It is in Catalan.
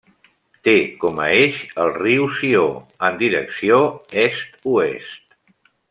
Té com a eix el riu Sió, en direcció est-oest.